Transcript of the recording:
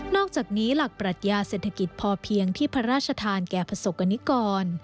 อกจากนี้หลักปรัชญาเศรษฐกิจพอเพียงที่พระราชทานแก่ประสบกรณิกร